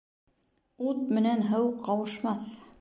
Ут менән һыу ҡауышмаҫ.